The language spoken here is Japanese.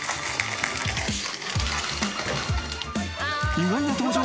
［意外な登場。